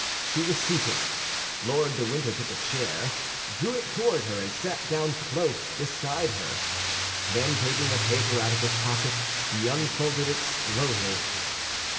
She was seated. Lord de Winter took a chair, drew it toward her, and sat down close beside her. Then taking a paper out of his pocket, he unfolded it slowly.